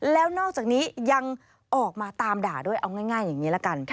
แล้วนอกจากนี้ยังออกมาตามด่าด้วยเอาง่ายอย่างนี้ละกัน